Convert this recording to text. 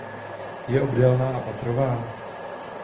Je obdélná a patrová.